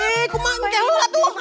eh kuman kek luat tuh